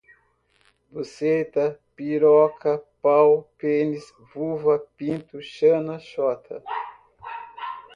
Buceta, piroca, pau, pênis, vulva, pinto, xana, xota